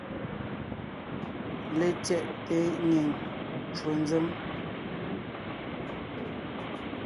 LetsyɛꞋte nyìŋ ncwò nzěm.